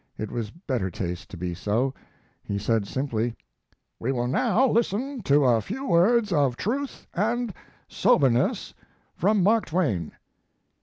It was better taste to be so. He said simply: "We will now listen to a few words of truth and soberness from Mark Twain."